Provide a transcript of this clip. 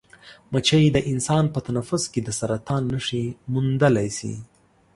مچۍ د انسان په تنفس کې د سرطان نښې موندلی شي.